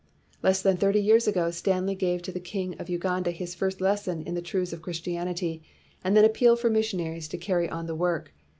Less than thirty years ago, Stanley gave to the king of Uganda his first lesson in the truths of Christianty, and then appealed for missionaries to carry on the work.